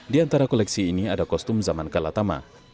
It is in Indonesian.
di antara koleksi ini ada kostum zaman kalatama